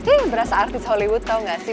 eh berasa artis hollywood tau gak sih